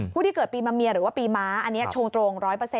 ผู้ที่เกิดปีมะเมียหรือว่าปีม้าอันนี้ชงตรง๑๐๐